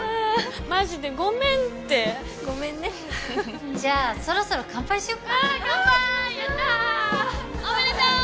マジでごめんってごめんねじゃあそろそろカンパイしよっかうんカンパイやったおめでとう！